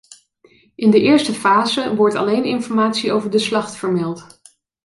In de eerste fase wordt alleen informatie over de slacht vermeld.